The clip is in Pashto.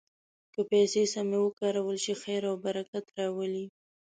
که پیسې سمې وکارول شي، خیر او برکت راولي.